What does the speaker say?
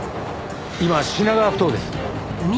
今品川埠頭です。